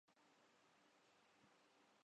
کچھ یوں بند کردیا جاتا ہے